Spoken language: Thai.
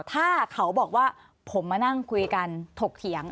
ถ้าเขาบอกว่าผมมานั่งคุยกันถกเถียง